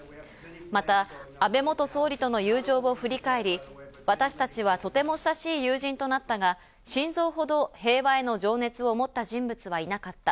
また安倍元総理との友情を振り返り、私たちはとても親しい友人となったが、シンゾーほど平和への情熱をもった人物はいなかった。